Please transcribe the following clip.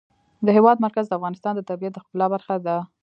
د هېواد مرکز د افغانستان د طبیعت د ښکلا برخه ده.